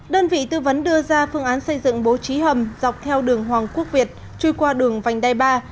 đơn vị tư vấn đưa ra phương án xây dựng bố trí hầm dọc theo đường hoàng quốc việt truy qua đường vành đai ba